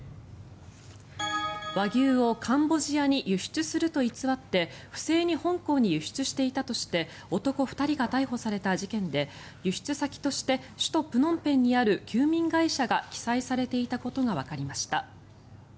和牛をカンボジアに輸出すると偽って不正に香港に輸出していたとして男２人が逮捕された事件で輸出先として首都プノンペンにある休眠会社が記載されていたことがわかりました。